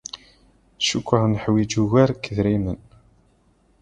Cikkeɣ ad neḥwij ugar n yedrimen.